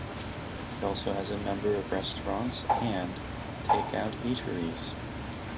It also has a number of restaurants and take-out eateries.